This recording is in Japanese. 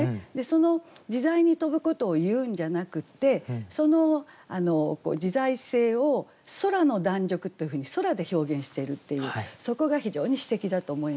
その自在に飛ぶことをいうんじゃなくってその自在性を「空の弾力」というふうに「空」で表現しているっていうそこが非常に詩的だと思います。